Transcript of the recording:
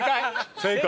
正解？